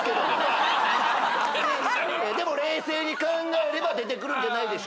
「でも冷静に考えれば出てくるんじゃないでしょうか」